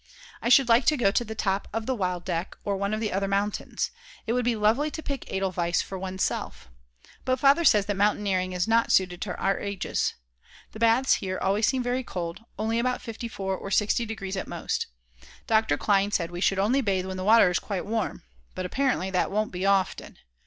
I should like to go to the top of the Wildeck or one of the other mountains. It would be lovely to pick Edelweiss for oneself. But Father says that mountaineering is not suited to our ages. The baths here always seem very cold, only about 54 or 60 degrees at most. Dr. Klein said we should only bathe when the water is quite warm. But apparently that won't be often.